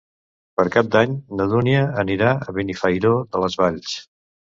Per Cap d'Any na Dúnia anirà a Benifairó de les Valls.